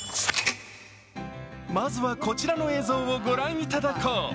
まずは、こちらの映像を御覧いただこう。